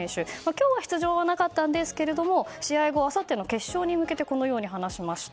今日は出場はなかったんですが試合後、あさっての決勝に向けてこのように話しました。